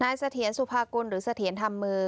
นายสะเทียนสุภากุลหรือสะเทียนธรรมมือ